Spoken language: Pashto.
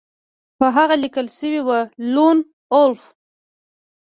په هغه لیکل شوي وو لون وولف